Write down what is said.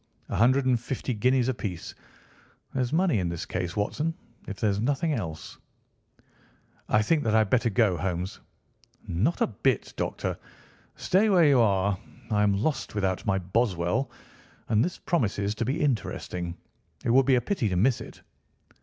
A hundred and fifty guineas apiece. There's money in this case, Watson, if there is nothing else." "I think that I had better go, Holmes." "Not a bit, Doctor. Stay where you are. I am lost without my Boswell. And this promises to be interesting. It would be a pity to miss it."